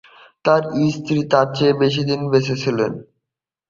তার স্ত্রী তার চেয়ে বেশি দিন বেঁচে ছিলেন।